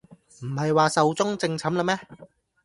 唔係話壽終正寢喇咩